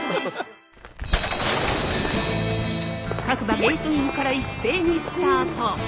各馬ゲートインから一斉にスタート。